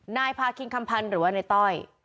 นายพาคินคำพันธ์หรือว่าในต้อย